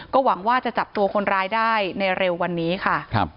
หวังว่าจะจับตัวคนร้ายได้ในเร็ววันนี้ค่ะ